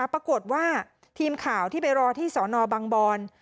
ปรากฏว่าทีมข่าวที่ไปรอที่สอนอบังบอน